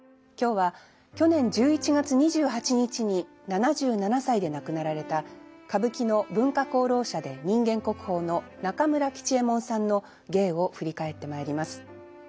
今日は去年１１月２８日に７７歳で亡くなられた歌舞伎の文化功労者で人間国宝の中村吉右衛門さんの芸を振り返ってまいります。